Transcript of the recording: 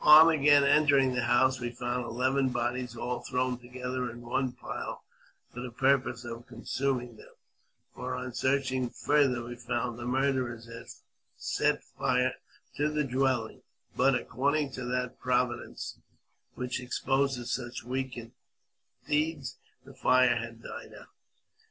On again entering the house, we found eleven bodies all thrown together in one pile for the purpose of consuming them ; for, on searching further, we found the murderers had set fire to the dwelling ; but, according to that Providence which exposes such wicked deeds, the fire had died out.